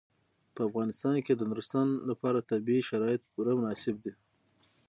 په افغانستان کې د نورستان لپاره طبیعي شرایط پوره مناسب دي.